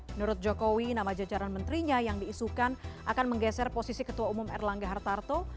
menurut jokowi nama jajaran menterinya yang diisukan akan menggeser posisi ketua umum erlangga hartarto